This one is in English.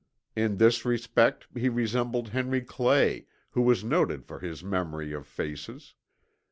In this respect he resembled Henry Clay, who was noted for his memory of faces.